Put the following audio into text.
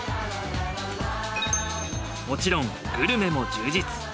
もちろんグルメも充実。